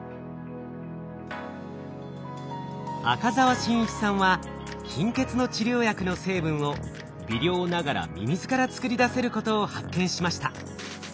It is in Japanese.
赤澤真一さんは貧血の治療薬の成分を微量ながらミミズから作り出せることを発見しました。